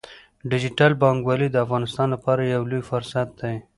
ډیجیټل بانکوالي د افغانستان لپاره یو لوی فرصت دی۔